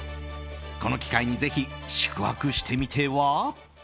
この機会にぜひ宿泊してみては？